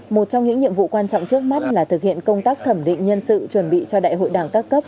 một trong những nhiệm vụ quan trọng trước mắt là thực hiện công tác thẩm định nhân sự chuẩn bị cho đại hội đảng các cấp